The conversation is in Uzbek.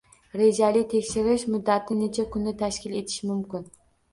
Rejali tekshirish muddati necha kunni tashkil etishi mumkin?